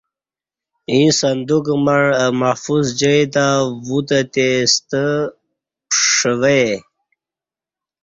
ییں صندوق مع اہ محفوظ جائی تہ وُتہتئے ستہ پݜوئے